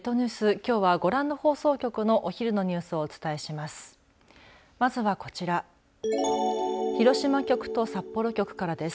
きょうはご覧の放送局のお昼のニュースをお伝えします。